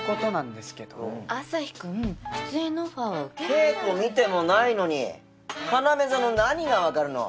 稽古見てもないのにＫＡＮＡＭＥ座の何がわかるの？